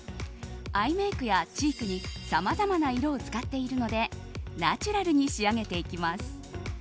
アイメイクやチークにさまざまな色を使っているのでナチュラルに仕上げていきます。